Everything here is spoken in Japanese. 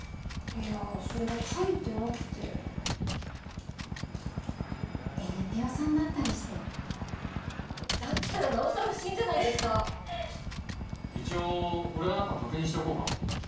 いやそれが書いてなくてえりぴよさんだったりしてだったらなおさら不審じゃないですか一応俺が中確認しておこうか？